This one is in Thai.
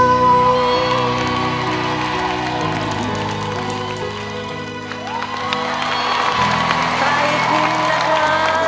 ตรายคุณนะครับ